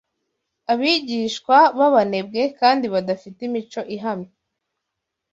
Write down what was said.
abigishwa b’abanebwe kandi badafite imico ihamye